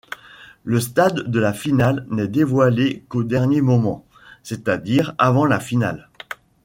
Le stade de la finale n'est dévoilé qu'au dernier moment, c'est-à-dire avant la finale.